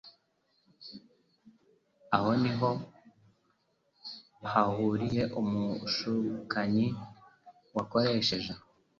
aho ni ho yahuriye n’umushukanyi wakoresheje